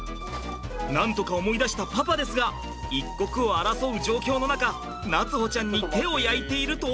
なんとか思い出したパパですが一刻を争う状況の中夏歩ちゃんに手を焼いていると。